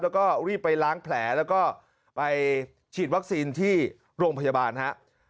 แล้วก็รีบไปล้างแผลแล้วก็ไปฉีดวัคซีนที่โรงพยาบาลฮะ